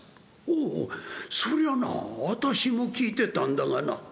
そりゃな私も聞いてたんだがな」。